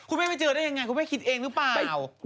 คุณแคบว่าเจอได้อย่างไรคุณแคบคิดเองหรือเปล่าอุ๊ย